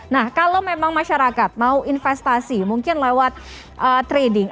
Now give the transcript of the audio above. nah kalau memang masyarakat mau investasi mungkin lewat trading